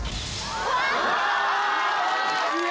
うわ！